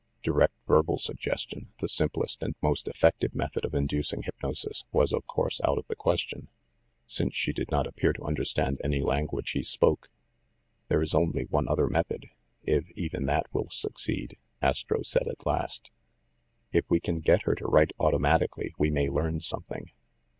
Direct ver bal suggestion, the simplest and most effective method of inducing hypnosis, was of course out of the ques tion, since she did not appear to understand any lan guage he spoke. "There is only one other method, if even that will succeed," Astro said at last. "If we can get her to write automatically, we may learn something.